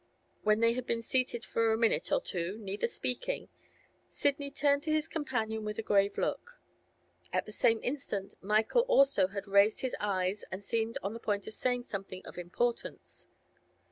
When they had been seated for a minute or two, neither speaking, Sidney turned to his companion with a grave look. At the same instant Michael also had raised his eyes and seemed on the point of saying something of importance.